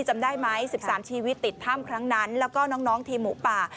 จำได้ไหม๑๓ชีวิตติดถ้ำครั้งนั้นแล้วก็น้องทีมหมูป่า